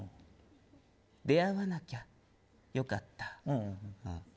出会わなきゃよかった。